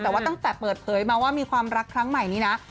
แต่ว่าตั้งแต่เปิดเผยมาว่ามีความรักครั้งใหม่นี้นะ